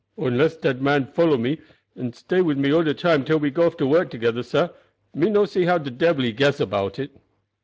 Onless dat man follow me and watch me all de time till we go off together, sah, me no see how de debbil he guess about it."